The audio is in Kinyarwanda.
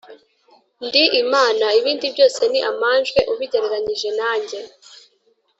ndi imana, ibindi byose ni amanjwe ubigereranyije nanjye.